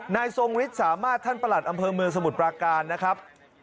ทรงฤทธิ์สามารถท่านประหลัดอำเภอเมืองสมุทรปราการนะครับ